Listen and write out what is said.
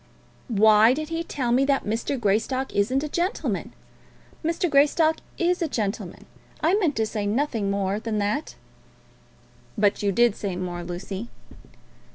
"Why did he tell me that Mr. Greystock isn't a gentleman? Mr. Greystock is a gentleman. I meant to say nothing more than that." "But you did say more, Lucy."